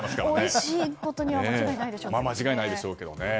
おいしいことには間違いないでしょうけど。